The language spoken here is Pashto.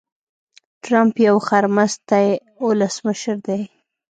ټرمپ يو خرمستی ولسمشر دي.